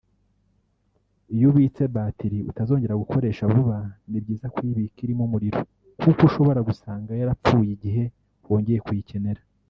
Iyo ubitse batiri utazongera gukoresha vuba ni byiza kuyibika irimo umuriro kuko ushobora gusanga yarapfuye igihe wongeye kuyikenera